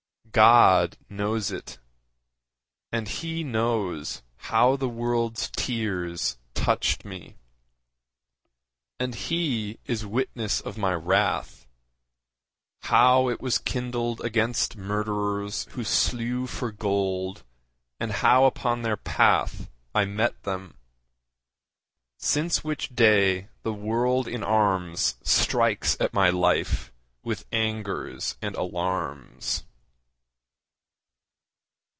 God knows it. And He knows how the world's tears Touched me. And He is witness of my wrath, How it was kindled against murderers Who slew for gold, and how upon their path I met them. Since which day the World in arms Strikes at my life with angers and alarms.